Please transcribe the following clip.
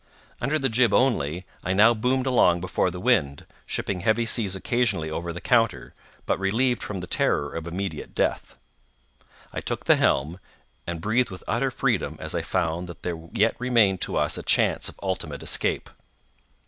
Under the jib only, I now boomed along before the wind, shipping heavy seas occasionally over the counter, but relieved from the terror of immediate death. I took the helm, and breathed with greater freedom as I found that there yet remained to us a chance of ultimate escape.